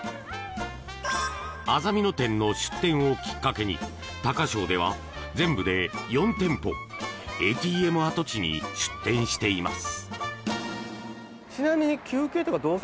あざみ野店の出店をきっかけに高匠では全部で４店舗ＡＴＭ跡地に出店しています。